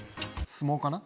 「相撲かな？